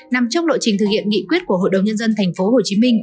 nằm trong lộ trình thực hiện nghị quyết của hội đồng nhân dân tp hcm